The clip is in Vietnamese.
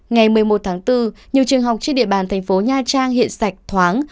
ngày một mươi một tháng bốn nhiều trường học trên địa bàn tp nha trang hiện sạch thoáng